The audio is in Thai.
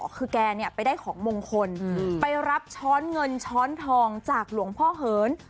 คือแกไปได้ของมงคลไปรับช้อนเงินช้อนทองจากหลวงพ่อเหิน